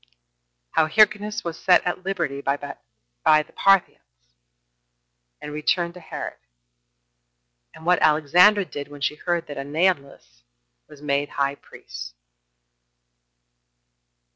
CHAPTER 2. How Hyrcanus Was Set At Liberty By The Parthians, And Returned To Herod; And What Alexandra Did When She Heard That Ananelus Was Made High Priest.